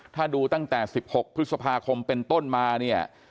ถ้าดูตั้งแต่๑๖พฤษภาคมเป็นต้นมาเนี่ย